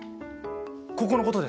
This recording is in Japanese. ここのことですか？